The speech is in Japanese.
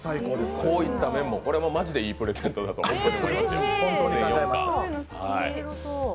こういった面も、これもマジでいいプレゼントだと思います。